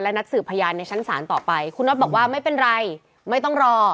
นัดสืบพยานในชั้นศาลต่อไปคุณน็อตบอกว่าไม่เป็นไรไม่ต้องรอ